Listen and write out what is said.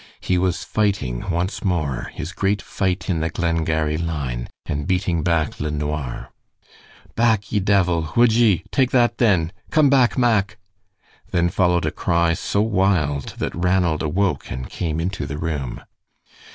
He was fighting once more his great fight in the Glengarry line, and beating back LeNoir. "Back, ye devil! Would ye? Take that, then. Come back, Mack!" Then followed a cry so wild that Ranald awoke and came into the room.